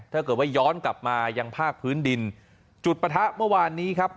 ถ้าเกิดว่าย้อนกลับมายังภาคพื้นดินจุดปะทะเมื่อวานนี้ครับ